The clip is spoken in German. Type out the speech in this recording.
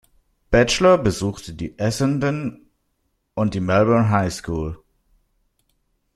Batchelor besuchte die Essendon und die "Melbourne High School".